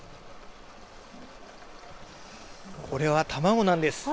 これは卵なんです。